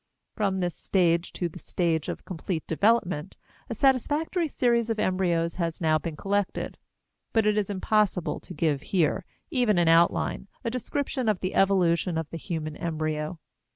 From this stage to the stage of complete development a satisfactory series of embryos has now been collected, but it is impossible to give here, even in outline, a description of the evolution of the human embryo.